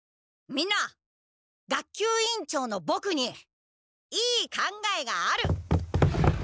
みんな学級委員長のボクにいい考えがある！